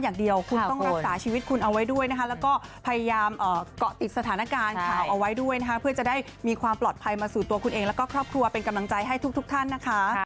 ยังไงก็ขอให้ทุกคนปลอดภัยนะครับช่วงดีทุกคนครับ